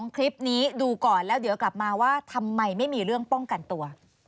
คลิปนี้ดูก่อนแล้วเดี๋ยวกลับมาว่าทำไมไม่มีเรื่องป้องกันตัว